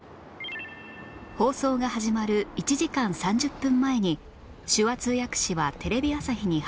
放送が始まる１時間３０分前に手話通訳士はテレビ朝日に入ります